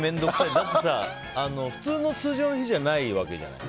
だってさ通常の日じゃないわけじゃない。